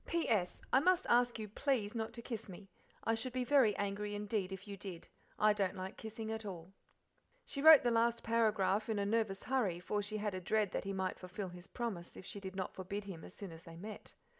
"P.S. I must ask you, please, not to kiss me. I should be very angry indeed if you did. I don't like kissing at all." She wrote the last paragraph in a nervous hurry for she had a dread that he might fulfil his promise, if she did not forbid him as soon as they met.